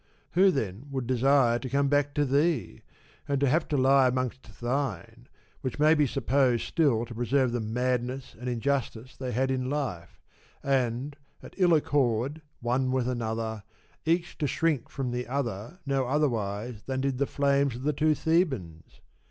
Who then would desire to come back to thee, and to have to lie amongst thine, which may be supposed still to preserve the madness and injustice they had in life, and, at ill accord one with another, each to shrink from the other no otherwise than did the flames of the two Thebans